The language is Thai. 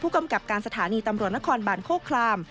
กำกับการสถานีตำรวจนครบานโคคลาม